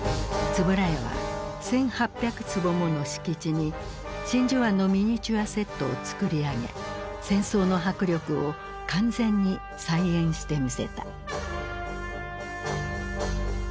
円谷は１，８００坪もの敷地に真珠湾のミニチュアセットを作り上げ戦争の迫力を完全に再現してみせた。